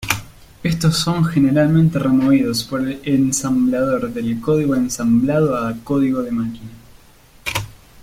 Estos son generalmente removidos, por el ensamblador, del código ensamblado a código de máquina.